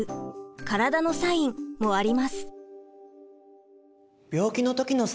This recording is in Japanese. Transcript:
身体のサインもあります。